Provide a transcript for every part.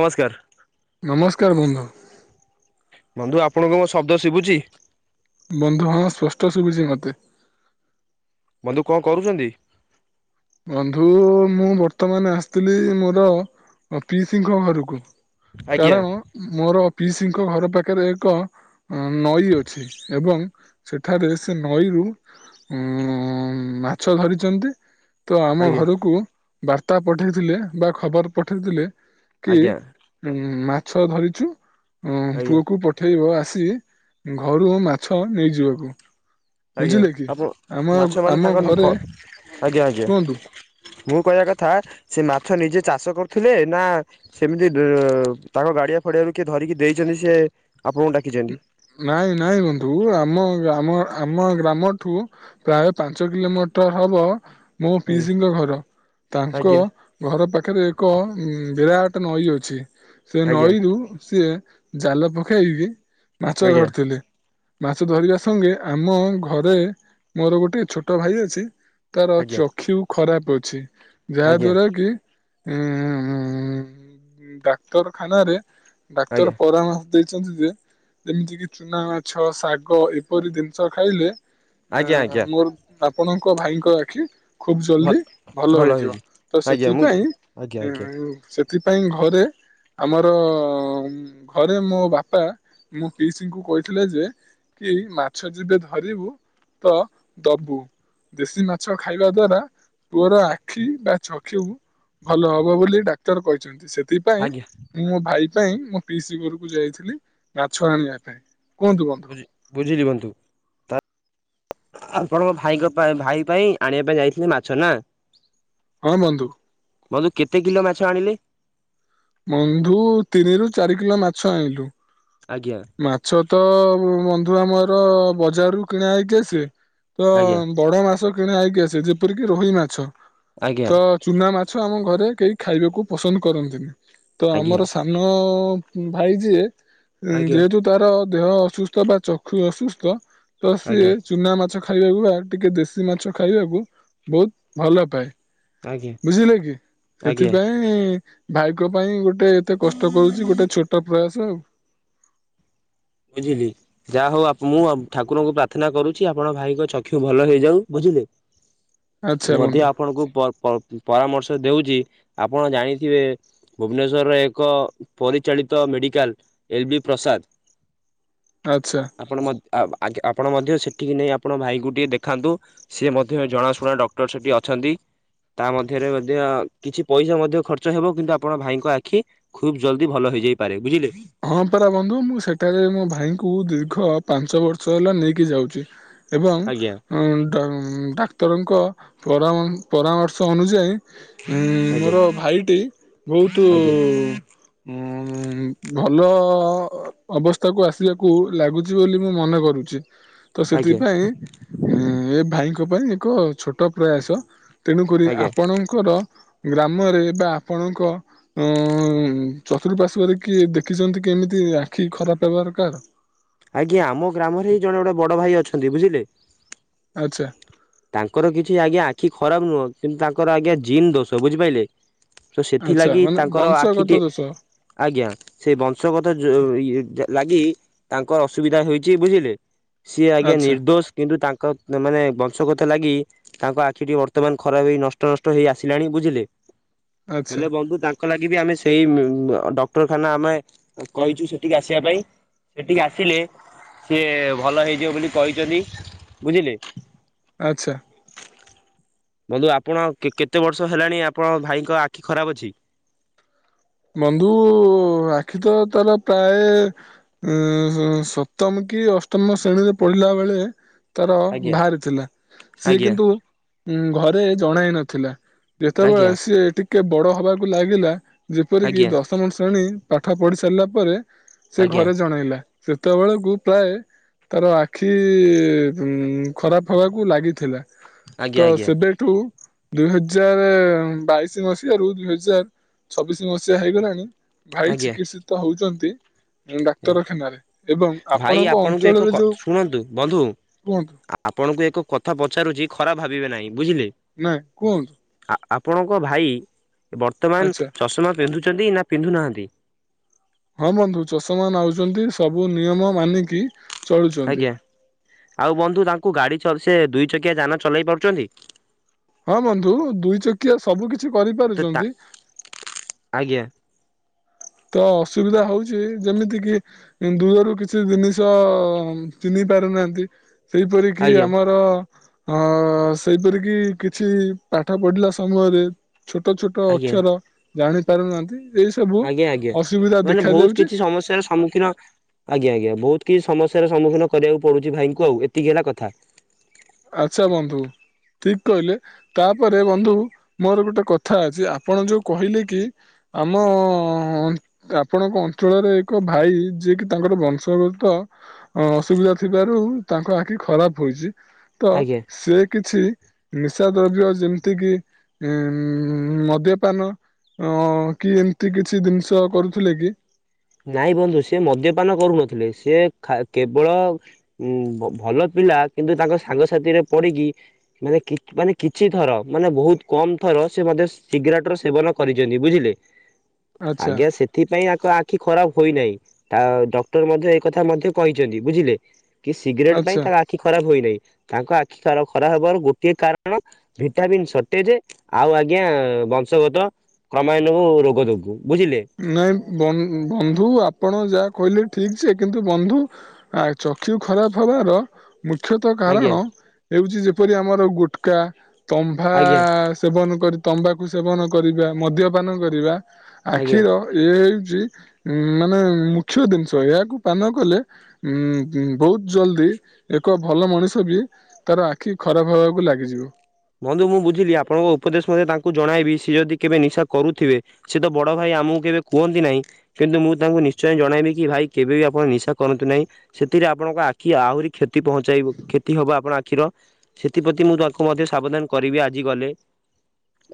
ନମସ୍କାର। ନମସ୍କାର ବନ୍ଧୁ। ବନ୍ଧୁ ଆପଣଙ୍କୁ ମୋ ଶବ୍ଦ ଶିଭୁଛି? ବନ୍ଧୁ ହଁ ସ୍ପଷ୍ଟ ଶୁଭୁଛି ମତେ ବନ୍ଧୁ କଣ କରୁଛନ୍ତି? ବନ୍ଧୁ ମୁଁ ବର୍ତ୍ତମାନ ଆସିଥିଲି ମୋର ପିସିଙ୍କ ଘରକୁ। ଆଜ୍ଞା କାରଣ ମୋର ପିସି ଙ୍କ ଘର ପାଖରେ ଏକ ଅ ନଈ ଅଛି ଏବଂ ସେଠାରେ ସେ ନଈରୁ ଉଁ ମାଛ ଧରିଛନ୍ତି। ତ ଆମ ଆଜ୍ଞା ଘରକୁ ବାର୍ତ୍ତା ପଠେଇଥିଲେ ବା ଖବର ପଠେଇଥିଲେ କି ଆଜ୍ଞା ଉ ମାଛ ଧରିଚୁ ଉଁ ଆଜ୍ଞା ପୁଅକୁ ପଠେଇବ ଆ ସି ଘରୁ ମାଛ ନେଇଯିବାକୁ। ଆଜ୍ଞା ବୁଝିଲେ କି ଆପଣ ଆମ ମାଛ ମାନେ ଆମ ତାଙ୍କର ଘରେ ତ ଆଜ୍ଞା ଆଜ୍ଞା। କୁହନ୍ତୁ ମୁଁ କହିବା କଥା ସେ ମାଛ ନିଜେ ଚାଷ କରୁଥିଲେ ନା ସେମିତି ତାଙ୍କ ଗାଡିଆ ଫଡିଆରୁ କିଏ ଧରିକି ଦେଇଛନ୍ତି? ସିଏ ଆପଣଙ୍କୁ ଡାକିଚନ୍ତି ନାଇଁ ନାଇଁ ବନ୍ଧୁ ଆମ ଆମ ଆମ ଗ୍ରାମଠୁ ପ୍ରାୟ ପାଞ୍ଚ କିଲୋମ ଟର ହବ ମୋ ଆଜ୍ଞା ପିସିଙ୍କ ଘର ତାଙ୍କ ଆଜ୍ଞା ଘର ପାଖରେ ଏକ ଉଁ ବିରାଟ ଗୋଟେ ନଈ ଅଛି ସେ ଆଜ୍ଞା ନଈରୁୁ ସିଏ ଜାଲ ପକେଇକି ମାଛ ଆଜ୍ଞା ଧରିଥିଲେ। ମାଛ ଧରିବା ସଙ୍ଗେ ଆମ ଘରେ ମୋର ଗୋଟେ ଛୋଟ ଭାଇ ଅଛି। ତାର ଆଜ୍ଞା ଚକ୍ଷୁ ଖରାପ ଅଛି ଆଜ୍ଞା ଯାହା ଆଜ୍ଞା ଦ୍ଵାରା କି ହୁଁଁ ଡାକ୍ତରଖାନାରେ ଡାକ୍ତର ପରାମ ଦେଇଚନ୍ତି ଯେ ଯେମିତି କି ଚୁନା ମାଛ ଶାଗ ଏପରି ଦିନିଷ ଖାଇଲେ ଆଜ୍ଞା ଏଁ ଆଜ୍ଞା ମୋର ଆପଣଙ୍କ ଭାଇଙ୍କ ଆଖି ଖୁବ ଭଲ ଜଲ୍ଦି ଭଲ ହେଇଯିବ ତ ଆଜ୍ଞା ମୁଁ ସେଥିପାଇଁ ଆଜ୍ଞା ଉଁ ଆଜ୍ଞା ଉଁ ସେ ଥିପାଇଁ ଘରେ ଆମର ଘରେ ମୋ ବାପା ମୋ ପିସିଙ୍କୁ କହିଥିଲେ ଯେ କି ମାଛ ଯେବେ ଧରିବୁ ତ ଦବୁ ଦେଶୀ ମାଛ ଖାଇବା ଦ୍ଵାରା ପୁଅର ଆଖି ବା ଚକ୍ଷୁ ଭଲ ହବ ବୋଲି ଡାକ୍ତର କହିଛନ୍ତି। ସେ ଥିପାଇଁ ଆଜ୍ଞା ମୁଁ ମୋ ଭାଇ ପାଇଁ ମୋ ପିସି ଘରକୁ ଯାଇଥିଲି ମାଛ ଆଣିବା ପାଇଁ। କୁହନ୍ତୁ ବନ୍ଧୁ ବୁଝ ବୁଝିଲି ବନ୍ଧୁ। ତା ଆପଣଙ୍କ ଭାଇ ଙ୍କ ପାଇଁ ଭାଇ ପାଇଁ ଆଣିବା ପାଇଁ ଯାଇଥିଲେ ମାଛ ନା? ହଁ ବନ୍ଧୁ। ବନ୍ଧୁ କେତେ କିଲ ମାଛ ଆଣିଲେ? ବନ୍ଧୁ ତିନିରୁ ଚାରି କିଲ ମାଛ ଆଇଁଲୁ। ଆଜ୍ଞା। ତ ବନ୍ଧୁ ଆମର ବଜାରରୁୁ କିଣା ହେଇକି ଆସେ ତ ଆଜ୍ଞା ବଡ ମାସ କିଣାହେଇକି ଆସେ ଯେପରିକି ରୋହି ମାଛ ତ ଆଜ୍ଞା ଚୁନା ମା ଛ ଆମ ଘରେ କେହି ଖାଇବାକୁ ପସନ୍ଦ କରନ୍ତିନି ତ ଆଜ୍ଞା ଆମର ସାନ ଭାଇ ଯିଏ ଆଜ୍ଞା ଯେହେତୁ ତାର ଦେହ ଅସୁସ୍ଥ ବା ଚକ୍ଷୁ ଅସୁସ୍ଥ ତ ସିଏ ଆଜ୍ଞା ଚୁନା ମାଛ ଖାଇବାକୁ ବା ଟିକେ ଦେଶୀ ମାଛ ଖାଇବାକୁ ବହୁତ ଭଲ ପାଏ। ଆଜ୍ଞା ବୁଝିଲେ କି ଆଜ୍ଞା ସେଥିପାଇଁ ଭାଇକ ପାଇଁ ଗୋ ଟେ ଏତେ କଷ୍ଟ କରୁଚି ଗୋଟେ ଛୋଟ ପ୍ରୟାସ ଆଉ। ବୁଝିଲି ଯାହା ହଉ ଆ ମୁଁ ଠାକୁରଙ୍କୁ ପ୍ରାର୍ଥନା କରୁଛି ଆପଣ ଭାଇଙ୍କ ଚକ୍ଷୁ ଭଲ ହେଇଯାଉ ବୁଝିଲେ। ହ ମଧ୍ୟ ଆପଣଙ୍କୁ ପ-ପ-ପରାମର୍ଶ ଦେଉଚି ଆପଣ ଜାଣିଥିବେ ଭୁବନେଶ୍ଵରରେ ଏକ ପରିଚାଳିତ ମେଡିକାଲ ଏଲ ବି ପ୍ରାସାଦ ଆଚ୍ଛା ଆପଣ ମ-ଆ-ଆଗେ-ଆପଣ ମଧ୍ଯ ସେଠିକି ନେଇ ଆ ଆପଣ ଭାଇକୁ ଟିକେ ଦେଖାନ୍ତୁ ସିଏ ମଧ୍ୟ ଜଣାଶୁଣା ଡକ୍ଟର ସେଠି ଅଛନ୍ତି। ତା ମଧ୍ୟରେ ମଧ୍ୟ କିଛି ପଇସା ମଧ୍ୟ ଖର୍ଚ୍ଚ ହେବ କିନ୍ତୁ ଆପଣ ଭାଇଙ୍କ ଆଖି ଖୁବ୍ ଜଲଦି ଭଲ ହେଇଯାଇପାରେ ବୁଝିଲେ। ହଁ ପରା ବନ୍ଧୁ ମୁଁ ସେଠାରେ ମୋ ଭା ଭାଇଙ୍କୁ ଦୀର୍ଘ ପାଞ୍ଚ ବର୍ଷ ହେଲା ନେଇକି ଯାଉଚି। ଏବଂ ଆଜ୍ଞା ଡ-ଡାକ୍ତରଙ୍କ ପରାମନ୍ ପରାମର୍ଶ ଅନୁଯାୟୀ ଉଁ ଆଜ୍ଞା ମୋର ଭାଇଟି ବହୁତୁ ଆଜ୍ଞା ଉଁ ଭଲ ଅବସ୍ଥାକୁ ଆସିବାକୁ ଲାଗୁଚି ବୋଲି ମୁଁ ମନେ କରୁଚି। ତ ଆଜ୍ଞା ସେଥିପାଇଁ ଏ ଭାଇଙ୍କ ପାଇଁ ଏକ ଛୋଟ ପ୍ରୟାସ। ତେଣୁ କରି ଆଜ୍ଞା ଆପଣଙ୍କର ଗ୍ରାମରେ ବା ଆପଣଙ୍କ ଅ ଚତୁଃପାର୍ଶ୍ଵରେ କି ଦେଖିଛନ୍ତି କେମିତି ଆଖି ଖରାପ ହେବାର କାହାର? ଆଜ୍ଞା ଆମ ଗ୍ରାମରେ ଏ ଜଣେ ବଡ ଭାଇ ଅଛନ୍ତି ବୁଝିଲେ। ଆଛା। ତାଙ୍କର କିଛି ଆଜ୍ଞା ଆଖି ଖରାପ ନୁହଁ କିନ୍ତୁ ତାଙ୍କର ଆଜ୍ଞା ଜିନ୍ ଦୋଷ ବୁଝିପାଇଲେ। ତ ଆଚ୍ଛା ସେଥିଲାଗି ମାନେ ତାଙ୍କର ବଂଶଗତ ଆଖିଟି ଦୋଷ ଆଜ୍ଞା ସେଇ ବଂଶଗତ ଯୋ ଇ ଏ ଲାଗି ତାଙ୍କ ଅସୁବିଧା ହୋଇଚି ବୁଝିଲେ। ସିଏ ଆଜ୍ଞା ଆଚ୍ଛା ନିର୍ଦ୍ଦୋଷ କିନ୍ତୁ ତାଙ୍କ ମାନେ କଥା ଲାଗି ତାଙ୍କ ଆଖିଟି ବର୍ତ୍ତମାନ ଖରାପ ହେଇ ନଷ୍ଟ ନଷ୍ଟ ହେଇ ଆସିଲାଣି ବୁଝିଲେ। ଆଚ୍ଛା ହେଲେ ବନ୍ଧୁ ତାଙ୍କ ଲାଗି ବି ଆମେ ସ ସେଇ ଡକ୍ଟରଖାନା ଆମେ କହିଛୁ ସେଠିକି ଆସିବା ପାଇଁ ସେଠିକି ଆସିଲେ ସିଏ ଭଲ ହେଇଯିବ ବୋଲି କହିଛନ୍ତି ବୁଝିଲେ। ଆଛା। ବନ୍ଧୁ ଆପଣ କେ କେତେ ବର୍ଷ ହେଲାଣି ଆପଣଙ୍କ ଭାଇଙ୍କ ଆଖି ଖରାପ ଅଛି? ବନ୍ଧୁ ଆଖି ତ ତାର ପ୍ରାୟ ଉଁ ସପ୍ତମ କି ଅଷ୍ଟମ ଶ୍ରେଣୀରେ ପଢିଲା ବେଳେ। ତାର ଆଜ୍ଞା ବାହାରି ଥିଲା ସିଏ ଆଜ୍ଞା କିନ୍ତୁ ଘରେ ଜଣାଇ ନଥିଲା। ଯେତେବେଳେ ଆଜ୍ଞା ସିଏ ଟିକେ ବଡ ହବାକୁ ଲାଗିଲା ଯେପରିକି ଆଜ୍ଞା ଦଶମ ଶ୍ରେଣୀ ପାଠ ପଢି ସାରିଲା ପରେ ସେ ଆଜ୍ଞା ଘରେ ଜଣେଇଲା ସେତେବେଳକୁ ପ୍ରାୟ ତାର ଆଖି ଉଁ ଖରାପ ହବାକୁ ଲାଗିଥିଲା। ତ ଆଜ୍ଞା ସେବେଠୁ ଦୁଇ ହଜାର ବାଇଶି ମସିହାରୁ ଦୁଇ ହଜାର ଛବିଶି ମସିହା ହେଇଗଲାଣି। ଭାଇ ଆଜ୍ଞା ଚିକିତ୍ସିତ ହଉଚନ୍ତି। ଭାଇ ଆପଣଙ୍କ ଆପଣଙ୍କୁ ଅଞ୍ଚଳରେ ଏକ ଯୋଉ ଶୁଣନ୍ତୁ ବନ୍ଧୁ କୁହନ୍ତୁ ଆପଣଙ୍କୁ ଏକ କଥା ପଚାରୁଛି ଖରାପ ଭାବିବେ ନାହିଁ। ବୁଝିଲେ ନାଇଁ କୁହନ୍ତୁ। ଆପଣଙ୍କ ଭାଇ ବର୍ତ୍ତମାନ ଆଚ୍ଛା ଚଷମା ପିନ୍ଧୁଚନ୍ତି ନା ପିନ୍ଧୁ ନାହାନ୍ତି ହଁ ବନ୍ଧୁ ଚଷମା ନଉଚନ୍ତି ସବୁ ନିୟମ ମାନିକି ଚଳୁଛନ୍ତି ଆଜ୍ଞା ଆଉ ବନ୍ଧୁ ତାଙ୍କୁ ଗାଡି ସେ ଦୁଇ ଚକିଆ ଯାନ ଚଲେଇ ପାରୁଚନ୍ତି। ହଁ ବନ୍ଧୁ ଦୁଇ ଚକିଆ ସବୁ କିଛି ତ ତା କରିପାରୁଛନ୍ତି। ଆଜ୍ଞା ତ ଅସୁବିଧା ହଉଛି ଯେମିତି କିି ଦୂରରୁ କିଛି ଜିନିଷ ଚିନି ପାରୁନାହାନ୍ତି ସେଇପରି କିି ଆଜ୍ଞା ଆମର ହଁ ସେଇପରିକି କିଛି ପାଠ ପଢିଲା ସମୟରେ ଛୋଟ ଛୋଟ ଆଜ୍ଞା ଅକ୍ଷର ଜାଣି ପାରୁନାହାନ୍ତି ଏଇ ସବୁ ଆଜ୍ଞା ଆଜ୍ଞା ଅସୁବିଧା ମାନେ ବହୁତ ଦେଖାଯାଉଛି କିଛି ସମସ୍ୟାର ସମ୍ମୁଖୀନ ଆଜ୍ଞା ଆଜ୍ଞା ବହୁତ। କି ସମସ୍ୟାର ସମ୍ମୁଖୀନ କରିବାକୁ ପଡୁଛି ଭାଇଙ୍କୁ ଆଉ ଏତିକି ହେଲା କଥା। ଆଛା ବନ୍ଧୁ ଠିକ କହିଲେ ତାପରେ ବନ୍ଧୁ ମୋର ଗୋଟେ କଥା ଅଛି ଆପଣ ଯୋଉ କହିଲେ କି ଆମ ଆପଣଙ୍କ ଅଞ୍ଚଳରେ ଏକ ଭାଇ ଯିଏକି ତାଙ୍କର ବଂଶଗତ ଅ ଅସୁବିଧା ଥିବାରୁ ତାଙ୍କ ଆଖି ଖରାପ ହୋଇଛି। ତ ଆଜ୍ଞା ସେ କିଛି ନିଶା ଦ୍ରବ୍ୟ ଯେମିତି କିି ଉଁ ମଦ୍ୟପାନ ଅ କି ଏମିତି କିଛି ଜିନିଷ କରୁଥିଲେ କି? ନାଇଁ ବନ୍ଧୁ ସେ ମଦ୍ୟପାନ କରୁନଥିଲେ ସେ କେବଳ ଭଲ ପିଲା କିନ୍ତୁ ତାଙ୍କ ସାଙ୍ଗସାଥିରେ ପଡିକି ମାନେ ମାନେ କିଛିଥର ମାନେ ବହୁତ କମ ଥର ସେ ସିଗରେଟ ର ସେବନ କରିଚନ୍ତି ବୁଝିଲେ ଆଚ୍ଛା ଆଜ୍ଞା ସେଥିପାଇଁ ଆଖି ଖରାପ ହୋଇନାହିଁ ତା ଡକ୍ଟର ମଧ୍ୟ ଏକଥା ମଧ୍ୟ କହିଚନ୍ତି ବୁଝିଲେ। କି ସିଗରେଟ୍ ପାଇଁ ଆଚ୍ଛା ତାଙ୍କ ଆଖି ଖରାପ ହୋଇନାହିଁ। ତାଙ୍କ ଆଖି ସାର ଖରା ହବାରୁ ଗୋଟିଏ କାରଣ ଭିଟାମିିନ୍ ସଟେଜ୍ ଆଉ ଆଜ୍ଞା ବଂଶଗତ କ୍ରମାଇନୁ ରୋଗ ଯୋଗୁ। ବୁଝିଲେ ନାଇଁ ବନ ବନ୍ଧୁ ଆପଣ ଯାହା କହିଲେ ଠିକ୍ ଯେ କିନ୍ତୁ ବନ୍ଧୁ ଆ ଚକ୍ଷୁ ଖରାପ ହବାର ମୁଖ୍ୟତଃ ଆଜ୍ଞା କାରଣ ହେଉଛି ଯେପରି ଆମର ଗୁଟକା ତମ୍ଭା ଆଜ୍ଞା ସେବନ କରି ତମ୍ବାକୁ ସେବନ କରିବା ମଦ୍ୟପାନ କରିବା ଆଜ୍ଞା। ଆଖିର ଏ ହେଉଛି ଉଁ ମାନେ ମୁଖ୍ୟ ଜିନିଷ ଏହାକୁ ପାନ କଲେ ଉଁ ବହୁତ ଜଲଦି ଏକ ଭଲ ମଣିଷ ବି ତାର ଆଖି ଖରାପ ହବାକୁ ଲାଗିଯିବ। ବନ୍ଧୁ ମୁଁ ବୁଝିଲି ଆପଣଙ୍କ ଉପଦେଶ ମୁଁ ଆଗେ ତାଙ୍କୁ ଜଣାଇବି ସିଏ ଯଦି କେବେ ନିଶା କରୁଥିବେ ସେ ତ ବଡ ଭାଇ ଆମୁକୁ କେବେ କୁହନ୍ତି ନାହିଁ କିନ୍ତୁ ମୁଁ ତାଙ୍କୁ ନିଶ୍ଚୟ ଜଣାଇବି କି ଭାଇ କେବେ ବି ଆପଣ ନିଶା କରନ୍ତୁ ନାହିଁ ସେ ସେଥିରେ ଆପଣଙ୍କ ଆଖି ଆହୁରି କ୍ଷତି ପହଞ୍ଚାଇବ କ୍ଷତି ହବ ଆପଣ ଆଖିର ସେଥି ପ୍ରତି ମୁଁ ତାଙ୍କୁ ମଧ୍ୟ ସ ସାବଧାନ କରିବି ଆଜି ଗଲେ।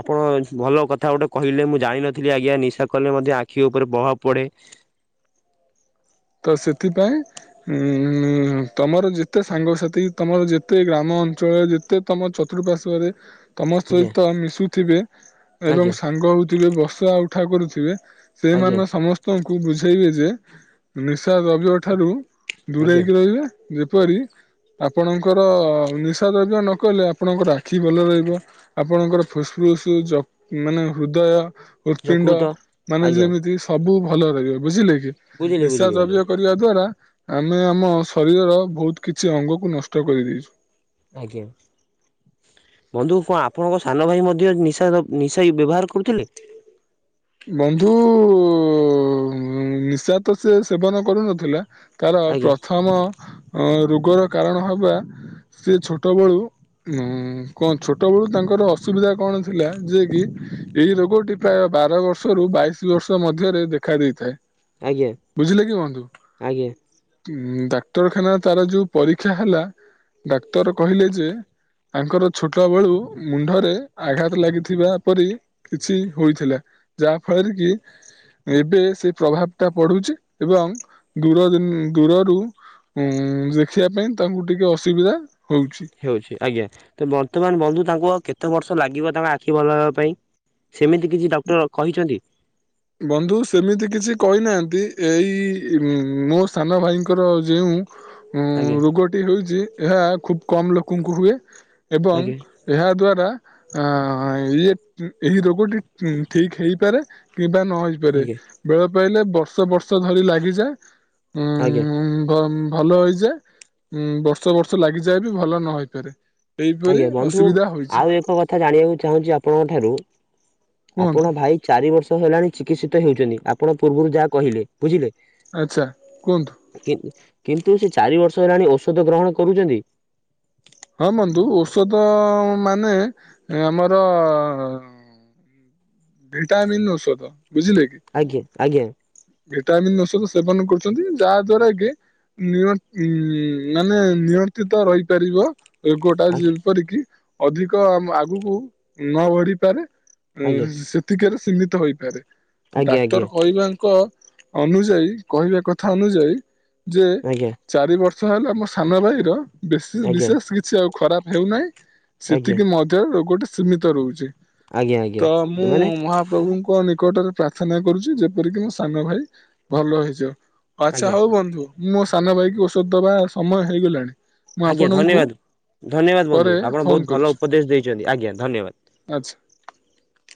ଆପଣ ଭଲ କଥା ଗୋଟେ କହିଲେ ମୁଁ ଜାଣିନଥିଲି ଆଜ୍ଞା ନିଶା କଲେ ମଧ୍ୟ ଆଖି ଉପରେ ପ୍ରଭାବ ପଡେ। ତ ସେଥିପାଇଁ ଉଁ ତମର ଯେତେ ସାଙ୍ଗସାଥି ତମର ଯେତେ ଗ୍ରାମ ଅଞ୍ଚଳରେ ଯେତେ ତମ ଚତୁଃପଶ୍ଵରେ ତମ ଆଜ୍ଞା ସହିତ ମିଶୁ ଥିବେ ଏବଂ ଆଜ୍ଞା ସାଙ୍ଗ ହେଉଥିବେ ବସା ଉଠା କରୁଥିବେ ଆଜ୍ଞା ସେମାନ ସମସ୍ତଙ୍କୁ ବୁଝେଇବେ ଯେ ନିଶା ଦ୍ରବ୍ୟ ଠାରୁ ଦୂରେଇ ଆଜ୍ଞା ହେଇକି ରହିବେ ଯେପରି ଆପଣଙ୍କର ନିଶା ଦ୍ରବ୍ୟ ନକଲେ ଆପଣଙ୍କର ଆଖି ଭଲ ରହିବ ଆପଣଙ୍କର ଫୁସ୍ ଫୁ ଫୁସ୍ ଯ ମାନେ ହୃଦ ହୃତ୍ ପିଣ୍ଡ ଯକୃତ ମାନେ ଆଜ୍ଞା ଯେମିତି ସବୁ ଭଲରେ ରହିବେ ବୁଝିଲେ କି। ବୁଝିଲି ନିଶା ବୁଝିଲି ବନ୍ଧୁ ଦ୍ରବ୍ୟ କରିବା ଦ୍ଵାରା ଆମେ ଆମ ଶରୀରର ବହୁତ କିଛି ଅଙ୍ଗକୁ ନଷ୍ଟ କରିଦେଇଛୁ। ଆଜ୍ଞା। ବନ୍ଧୁ କଁ ଆପଣଙ୍କ ସାନ ଭାଇ ମଧ୍ୟ ନିଶା ଦ୍ର ନିଶାରେ ବ୍ୟବହାର କରୁଥିଲେ? ବନ୍ଧୁ ଉ ଉଁ ନିଶା ତ ସେ ସେବନ କରୁନଥିଲା। ତାର ଆଜ୍ଞା ପ୍ରଥମ ରୋଗର କାରଣ ହବା ସେ ଛୋଟ ବେଳୁ ହୁଁ କଁ ଛୋଟ ବେଳୁ ତାଙ୍କର ଅସୁବିଧା କଣ ଥିଲା ଯେ କି ଏଇ ରୋଗଟି ପ୍ରାୟ ବାର ବ ବର୍ଷ ରୁ ବାଇଶି ବର୍ଷ ମଧ୍ୟରେ ଦେଖା ଦେଇଥାଏ। ଆଜ୍ଞା ବୁଝିଲେ କି ବନ୍ଧୁ ଉଁ ଆଜ୍ଞା ଡା ଡାକ୍ତରଖାନା ତାର ଯୋଉ ପରୀକ୍ଷା ହେଲା ଡାକ୍ତର କହିଲେ ଯେ ତାଙ୍କର ଛୋଟ ବଳୁ ମୁଣ୍ଡରେ ଆଘାତ ଲାଗିଥିବା ପରି କିଛି ହୋଇଥିଲା। ଯାହା ଫଳରେ କି ଏବେ ସେ ପ୍ରଭାବ ଟା ପଡୁଛି ଏବଂ ଦୂରଦିନ ଦୂରରୁ ହୁଁ ଦେଖିବା ପାଇଁ ତାଙ୍କୁ ଟିକେ ଅସୁବିଧା। ହଉଛି। ହେଉଛି ଆଜ୍ଞା ତ ବର୍ତ୍ତମାନ ବନ୍ଧୁ ତାଙ୍କୁ ଆଉ କେତେ ବର୍ଷ ଲାଗିବ ତାଙ୍କ ଆଖି ଭଲହେବା ପାଇଁ? ସେମିତି କିଛି ଡକ୍ଟର କହିଛନ୍ତି? ବନ୍ଧୁ ସେମିତି କିଛି କହି ନାହାନ୍ତି ଏଇ ଉଁ ମୋ ସାନ ଭାଇଙ୍କର ଯେଉଁ ଆଜ୍ଞା ଉଁ ରୋଗଟି ହୋଇଛି ଏହା ଖୁବ୍ କମ୍ ଲୋକଙ୍କୁ ହୁଏ ଏବଂ ଆଜ୍ଞା ଏହା ଦ୍ଵାରା ଆ ଇଏ ଏହି ରୋଗ ରୋଗଟି ଉଁ ଠିକ୍ ହେଇପାରେ କିମ୍ବା ନ ହେଇପାରେ ଆଜ୍ଞା ବେଳେ କହିଲେ ବର୍ଷ ବର୍ଷ ଧରି ଲାଗିଯାଏ ଆଜ୍ଞା ଉଁ ଭ ମ ଭଲ ହେଇଯାଏ ଉଁ ବର୍ଷ ବର୍ଷ ଲାଗିଯାଏ ବି ଭଲ ନହେଇପାରେ। ଆଜ୍ଞା ବନ୍ଧୁ ଆଉ ଏକ କଥା ଜାଣିବାକୁ ଚାହୁଁଛିୁ ଆପଣଙ୍କ ଠାରୁ କୁହନ୍ତୁ ଆପଣ ଭାଇ ଚାରି ବର୍ଷ ହେଲାଣି ଚିକିତ୍ସିତ ହେଉଛନ୍ତି ଆପଣ ପୂର୍ବୁରୁ ଯାହା କହିଲେ ବୁଝିଲେ। ଆଛା କୁହନ୍ତୁ। କିନ୍ତୁ ସେ ଚାରି ବର୍ଷ ହେଲାଣି ଔଷଧ ଗ୍ରହଣ କରୁଛନ୍ତି? ହଁ ବନ୍ଧୁ ଔଷଧ ମାନେ ଆମର ଭିଟାମିନ୍ ଔଷଧ, ବୁଝିଲେ କି? ଆଜ୍ଞା ଆଜ୍ଞା [inaudible] ଭିଟାମିନ ଔଷଧ ସେବନ କରୁଛନ୍ତି, ଯାହା ଦ୍ଵାରା କି ନି ଉ [unintelligible] ମାନେ ନିୟନ୍ତିତ ରହିପାରିବ। ରୋଗ ଟା ଆଜ୍ଞା ଯେପରିକି ଅଧିକ ଆଗକୁ ନ ବଢିପାରେ ଆଜ୍ଞା ସେତିକିରେ ସୀମିତ ହେଇପାରେ, ଆଜ୍ଞା ଆଜ୍ଞା ଡାକ୍ତର କହିବାଙ୍କ ଅନୁଯାୟୀ କହିବା କଥା ଅନୁଯାୟୀ, ଯେ ଆଜ୍ଞା -ଚାରି ବର୍ଷ ସେ ହେଲେ ଆମ ସାନ ଭାଇ ର ଆଜ୍ଞା ବିଶେଷ କିଛି ଆଉ ଖରାପ ହେଉନାହିଁ, ଆଜ୍ଞା ସେତିକି ମଧ୍ୟ ରୋଗଟ ସୀମିତ ରହୁଛି। ଆଜ୍ଞା ତ ଆଜ୍ଞା ମୁଁ ମାନେ ମହାପ୍ରଭୁଙ୍କ ନିକଟରେ ପ୍ରାର୍ଥନା କରୁଛି, ଯେପରିକି -ମୋ ସାନ ଭାଇ ଭଲ ହେଇଯାଉ। ଆଜ୍ଞା ଆଛା, ହଉ ବନ୍ଧୁ, ମୁଁ ମୋ ସାନ ଭାଇକି ଔଷଧ ଦବା ସମୟ ହେଇଗଲାଣି ମୁଁ ଆଜ୍ଞା ଆପଣଙ୍କୁ ଧନ୍ୟବାଦ, ଧନ୍ୟବାଦ ବନ୍ଧୁ, ପରେ ଆପଣ ଫୋନ ବହୁତ ଭଲ କରୁଛି ଉପଦେଶ ଦେଇଛନ୍ତି, ଆଜ୍ଞା ଧନ୍ୟବାଦ। ଟା ଚେ [unintelligible]